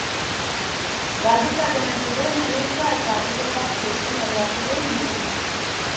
Galdutzat eman ziren anezka eta bere zazpi eskifaia kideen bizitza.